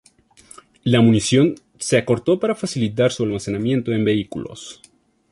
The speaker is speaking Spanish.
La munición se acortó para facilitar su almacenamiento en vehículos.